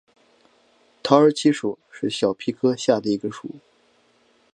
桃儿七属是小檗科下的一个属。